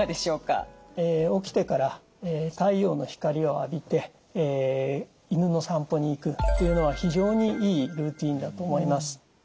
起きてから太陽の光を浴びて犬の散歩に行くっていうのは非常にいいルーティンだと思います。